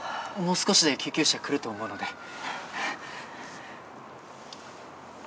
もう少しで救急車来ると思うので。